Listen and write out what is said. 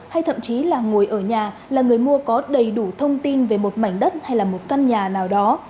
hay thậm chí là ngồi ở nhà là người mua có đầy đủ thông tin về một mảnh đất hay là một căn nhà nào đó